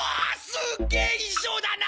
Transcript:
すっげえ衣装だな！